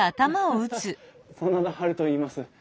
ハハハッ真田ハルといいます。